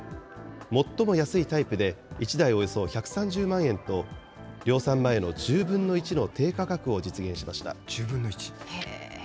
最も安いタイプで１台およそ１３０万円と、量産前の１０分の１の低価格を実現しました。